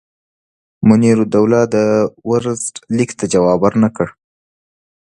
منیرالدوله د ورلسټ لیک ته جواب ورنه کړ.